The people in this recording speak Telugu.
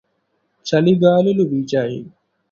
చలిగాలులు వీచాయి